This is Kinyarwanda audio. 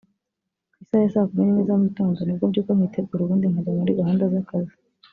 Ku isaha ya saa kumi n’imwe za mugitondo nibwo mbyuka nkitegura ubundi nkajya muri gahunda z’akazi